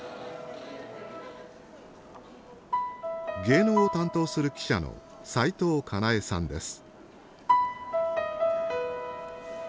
芸能を担当する記者の齋藤架奈枝さんです。